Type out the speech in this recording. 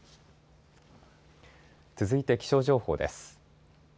続いて気象情報です。